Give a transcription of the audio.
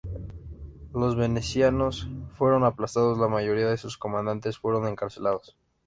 Los venecianos fueron aplastados, la mayoría de sus comandantes fueron encarcelados.